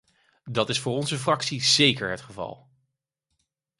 Dat is voor onze fractie zeker het geval!